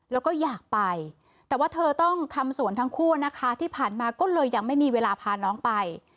แล้วก็อยากไปแต่ว่าเธอต้องทำสวนทั้งคู่นะคะที่ผ่านมาก็เลยยังไม่มีเวลาพาน้องไป